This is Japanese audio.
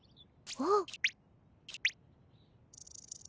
あっ。